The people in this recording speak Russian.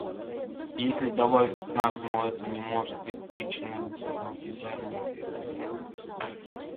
если добавить знак, но это не может быть причиной наблюдаемого эффекта.